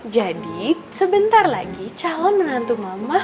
jadi sebentar lagi calon menantu mama